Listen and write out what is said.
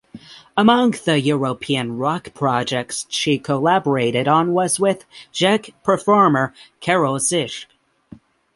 Among the European rock projects she collaborated on was with Czech performer Karel Zich.